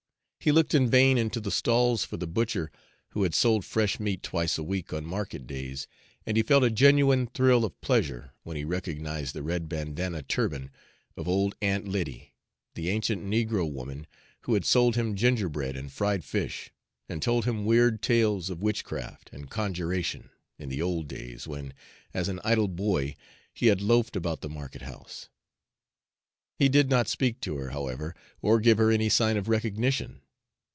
He looked in vain into the stalls for the butcher who had sold fresh meat twice a week, on market days, and he felt a genuine thrill of pleasure when he recognized the red bandana turban of old Aunt Lyddy, the ancient negro woman who had sold him gingerbread and fried fish, and told him weird tales of witchcraft and conjuration, in the old days when, as an idle boy, he had loafed about the market house. He did not speak to her, however, or give her any sign of recognition.